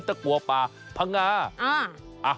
ตะกัวปลาพังงา